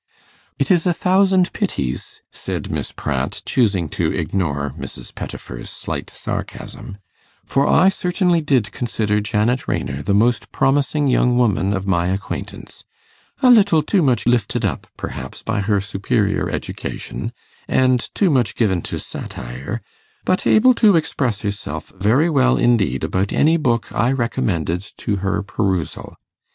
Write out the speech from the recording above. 'It is a thousand pities,' said Miss Pratt, choosing to ignore Mrs. Pettifer's slight sarcasm, 'for I certainly did consider Janet Raynor the most promising young woman of my acquaintance; a little too much lifted up, perhaps, by her superior education, and too much given to satire, but able to express herself very well indeed about any book I recommended to her perusal.